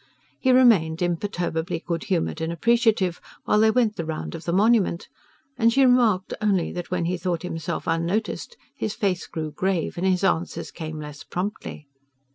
He remained imperturbably good humoured and appreciative while they went the round of the monument, and she remarked only that when he thought himself unnoticed his face grew grave and his answers came less promptly.